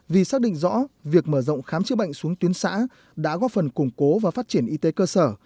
vì xác định rõ việc mở rộng khám chữa bệnh xuống tuyến xã đã góp phần củng cố và phát triển y tế cơ sở